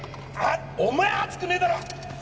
お前熱くねえだろ！